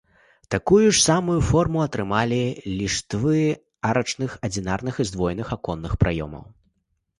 Такую ж самую форму атрымалі ліштвы арачных адзінарных і здвоеных аконных праёмаў.